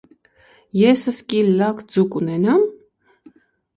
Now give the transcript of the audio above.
Ես ըսկի լակ ձու կունենա՞մ: